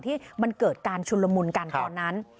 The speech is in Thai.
ที่มันเกิดการชุนละมุนกันตอนนั้น